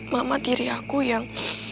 mama tiri aku yang